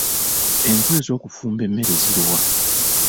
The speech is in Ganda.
Enku ez’okufumba emmere ziri wa?.